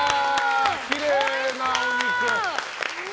きれいなお肉！